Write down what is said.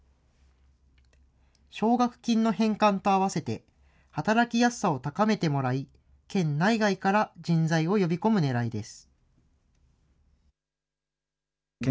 奨学金の返還と併せて、働きやすさを高めてもらい、県内外から人材を呼び込むねらいです。